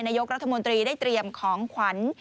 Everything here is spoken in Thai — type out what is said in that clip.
นายกรัฐมนตรีได้เตรียมของขวัญ